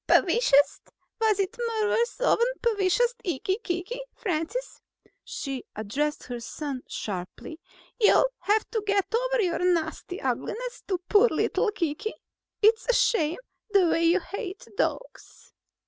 "Pwecious ... Was it muvver's own pwecious ikkle Kiki? Francis," she addressed her son sharply, "you'll have to get over your nasty ugliness to poor little Kiki. It's a shame, the way you hate dogs!"